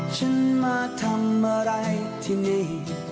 ฉันมาทำอะไรที่นี่